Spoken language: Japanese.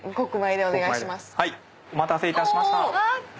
お待たせいたしました。